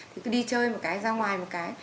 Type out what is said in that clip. thì tôi đi chơi một cái ra ngoài một cái